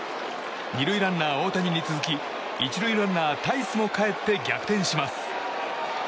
２塁ランナー大谷に続き１塁ランナー、タイスもかえって逆転します。